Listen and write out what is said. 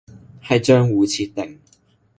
係賬戶設定